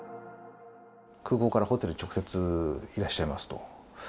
空港から直接ホテルにいらっしゃいますと。